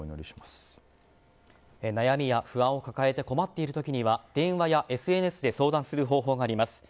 悩みや不安を抱えて困っている時には電話やＳＮＳで相談する方法があります。